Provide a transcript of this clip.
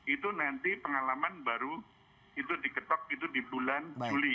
itu nanti pengalaman baru itu diketok itu di bulan juli